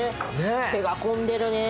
手が込んでるね。